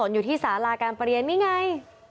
อยู่ที่สาราการประเรียนนี่ไง